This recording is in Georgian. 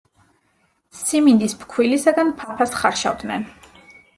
სიმინდის ფქვილისაგან ფაფას ხარშავდნენ.